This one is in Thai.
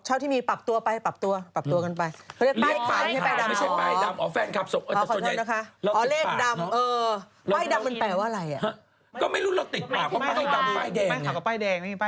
ใช่ตอนนั้นแบบมีการกุศลเยอะพวกใช่มันก็ช่วยกันเอออยากกันแล้วกัน